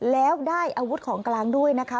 แล้วได้อาวุธของกลางด้วยนะคะ